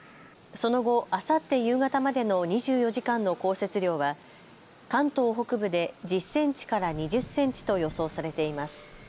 その後、あさって夕方までの２４時間の降雪量は関東北部で１０センチから２０センチと予想されています。